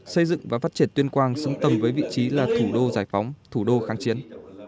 xây dựng và phát triển tuyên quang xứng tầm với vị trí là thủ đô giải phóng thủ đô kháng chiến